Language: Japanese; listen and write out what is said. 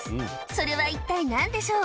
それは一体何でしょう？